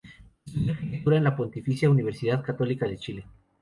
Estudió arquitectura en la Pontificia Universidad Católica de Chile.